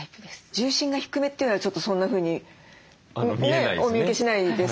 重心が低めというのはちょっとそんなふうにお見受けしないですね。